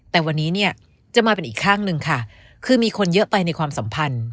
แต่วันนี้เนี่ยจะมาเป็นอีกข้างหนึ่งค่ะคือมีคนเยอะไปในความสัมพันธ์